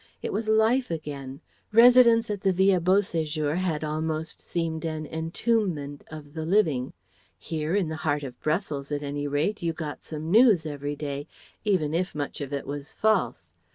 It was life again. Residence at the Villa Beau séjour had almost seemed an entombment of the living. Here, in the heart of Brussels, at any rate, you got some news every day, even if much of it was false.